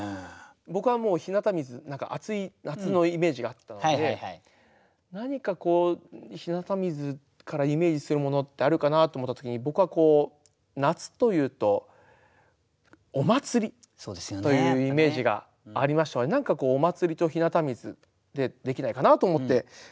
僕はもう「日向水」何か暑い夏のイメージがあったので何か「日向水」からイメージするものってあるかなって思った時に僕は夏というと「お祭り」というイメージがありましたので何か「お祭り」と「日向水」でできないかなと思って考えて。